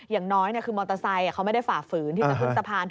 อย่างน้อยคือมอเตอร์ไซค์เขาไม่ได้ฝ่าฝืนที่จะขึ้นสะพาน